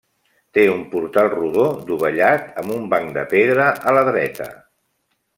Té un portal rodó, dovellat, amb un banc de pedra a la dreta.